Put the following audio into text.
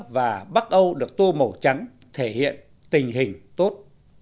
và bắc âu được tô màu trắng thể hiện tình hình tốt